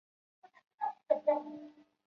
首府是诺维萨德。